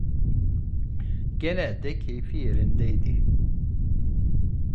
Genelde keyfi yerindeydi.